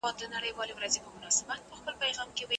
ځواني د ارمانونو د پوره کولو کرونده ده.